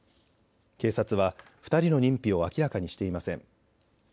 警察は２人の認否を明らかにしていません。